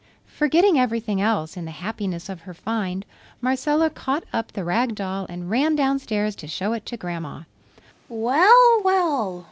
Forgetting everything else in the happiness of her find, Marcella caught up the rag doll and ran downstairs to show it to Grandma. "Well! Well!